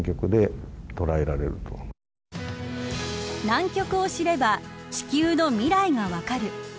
南極を知れば地球の未来が分かる。